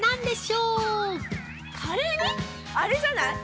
あれじゃない。